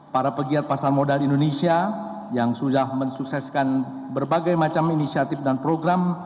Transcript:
para pegiat pasar modal indonesia yang sudah mensukseskan berbagai macam inisiatif dan program